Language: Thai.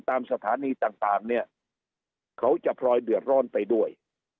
ตามสถานีต่างเนี่ยเขาจะพลอยเดือดร้อนไปด้วย